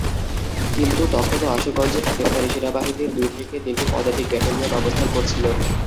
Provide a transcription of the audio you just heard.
কিন্তু তখনো আশুগঞ্জে পাকিস্তানি সেনাবাহিনীর দুই থেকে তিনটি পদাতিক ব্যাটালিয়ন অবস্থান করছিল।